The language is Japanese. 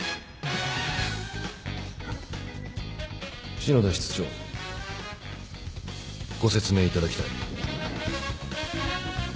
篠田室長ご説明いただきたい。